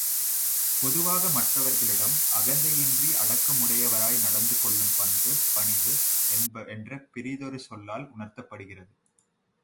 பொதுவாக மற்றவர்களிடம் அகந்தையின்றி அடக்கமுடையவராக நடந்து கொள்ளும் பண்பு, பணிவு என்ற பிறிதொரு சொல்லால் உணர்த்தப்படுகிறது.